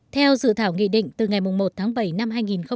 theo dự thảo nghị định từ ngày một tháng bảy năm hai nghìn một mươi bảy